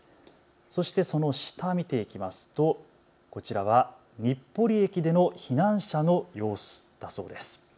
そしてその下を見ていきますとこちらは日暮里駅での避難者の様子だそうです。